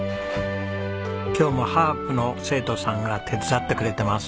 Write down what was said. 今日もハープの生徒さんが手伝ってくれてます。